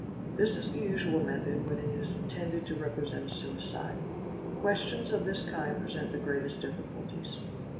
This is the usual method when it is intended & represent a suicide. Questions of this kind present the greatest difti culties.